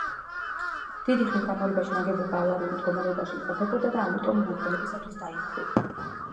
დიდი ხნის განმავლობაში ნაგებობა ავარიულ მდგომარეობაში იმყოფებოდა და ამიტომ მნახველებისათვის დაიხურა.